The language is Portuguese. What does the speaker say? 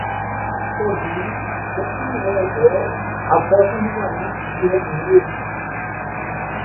O júri descriminou o réu após um julgamento que durou meses.